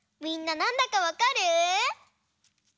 みんななんだかわかる？